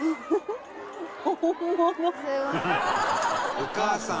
「お母さん！」